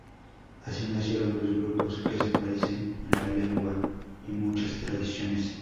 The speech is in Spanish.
Así nacieron dos grupos que se parecen en la lengua y muchas tradiciones.